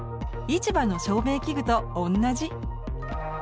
市場の照明器具と同じ。